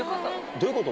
どういうこと？